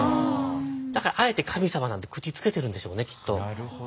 だからあえて神様なので口付けてるんでしょうねきっと。